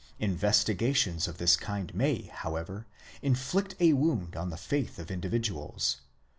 Investigations of this kind may, however, inflict a wound on the faith of individuals.